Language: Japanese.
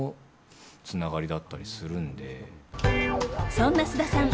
そんな菅田さん